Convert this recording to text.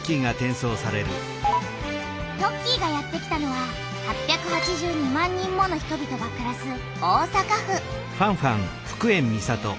トッキーがやってきたのは８８２万人もの人々がくらす大阪府。